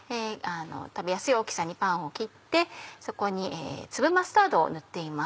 食べやすい大きさにパンを切ってそこに粒マスタードを塗っています。